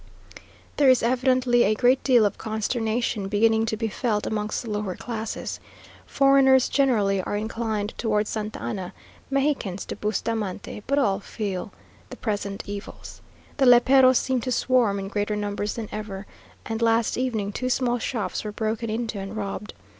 There is evidently a great deal of consternation beginning to be felt amongst the lower classes. Foreigners generally are inclined towards Santa Anna, Mexicans to Bustamante; but all feel the present evils. The léperos seem to swarm in greater numbers than ever, and last evening two small shops were broken into and robbed.